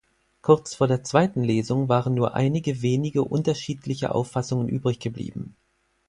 Kurz vor der zweiten Lesung waren nur einige wenige unterschiedliche Auffassungen übrig geblieben.